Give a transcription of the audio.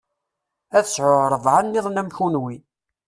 Ad sɛuɣ rebɛa nniḍen am kunwi.